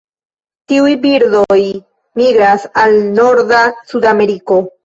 Tiuj birdoj migras al norda Sudameriko.